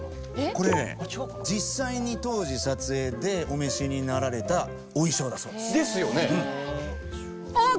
これね実際に当時撮影でお召しになられたお衣装だそうです。ですよね！